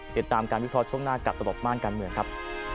ติดตามการวิเคราะห์ช่วงหน้ากับตลบม่านการเมืองครับ